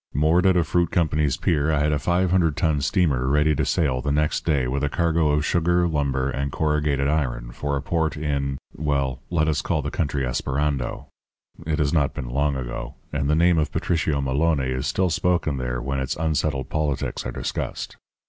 Moored at a fruit company's pier I had a 500 ton steamer ready to sail the next day with a cargo of sugar, lumber, and corrugated iron for a port in well, let us call the country Esperando it has not been long ago, and the name of Patricio Maloné is still spoken there when its unsettled politics are discussed.